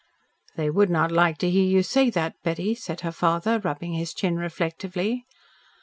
"They would not like to hear you say that, Betty," said her father, rubbing his chin reflectively.